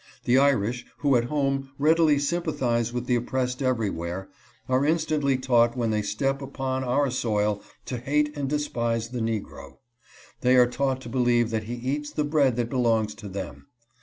The Irish, who, at home, readily sympathize with the oppressed every where, are instantly taught when they step upon our soil to hate and despise the negro. They are taught to believe that he eats the bread that belongs to them.